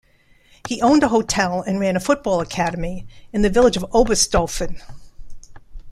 He owned a hotel and ran a football academy, in the village of Oberstaufen.